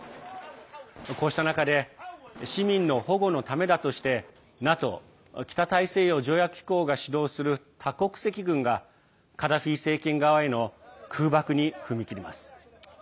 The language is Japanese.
こうした中で市民の保護のためだとしてＮＡＴＯ＝北大西洋条約機構が主導する多国籍軍がカダフィ政権側への空爆に踏み切ります。